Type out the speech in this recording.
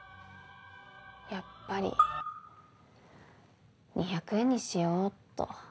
やっぱり２００円にしようっと。